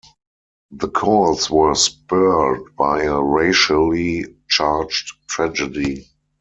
The calls were spurred by a racially charged tragedy.